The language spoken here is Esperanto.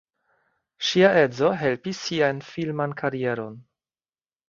Ŝia edzo helpis sian filman karieron.